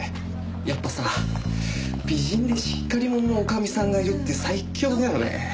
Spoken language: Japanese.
やっぱさ美人でしっかり者の女将さんがいるって最強だよね。